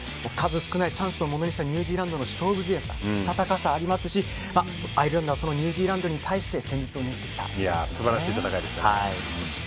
少ないチャンスをものにしたニュージーランドの勝負強さしたたかさがありますしアイルランドはそのニュージーランドに対して戦術を練ってきたんですね。